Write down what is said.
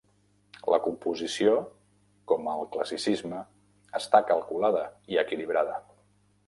La composició, com al classicisme, està calculada i equilibrada.